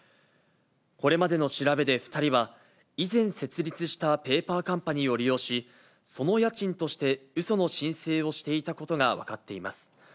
これまでの調べで２人は、以前設立したペーパーカンパニーを利用し、その家賃としてうその申請をしていたことが分かっています。